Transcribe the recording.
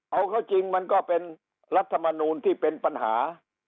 เอาเข้าจริงมันก็เป็นรัฐมนูลที่เป็นปัญหา